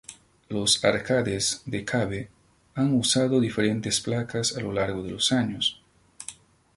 Los arcades de Cave han usado diferentes placas a lo largo de los años.